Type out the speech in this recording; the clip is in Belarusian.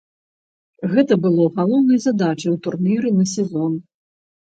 Гэта было галоўнай задачай у турніры на сезон.